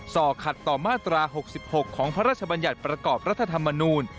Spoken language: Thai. ่อขัดต่อมาตรา๖๖ของพระราชบัญญัติประกอบรัฐธรรมนูล